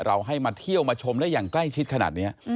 ให้มาเที่ยวมาชมได้อย่างใกล้ชิดขนาดนี้